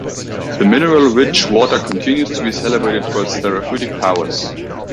The mineral-rich water continues to be celebrated for its therapeutic powers.